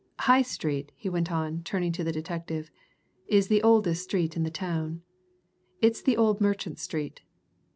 High Street," he went on, turning to the detective, "is the oldest street in the town. It's the old merchant street.